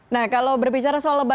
nah kalau berbicara soal lebaran